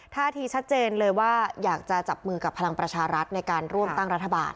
ท่าทีชัดเจนเลยว่าอยากจะจับมือกับพลังประชารัฐในการร่วมตั้งรัฐบาล